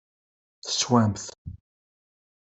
Teswamt.